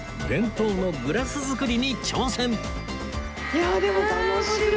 いやでも楽しい。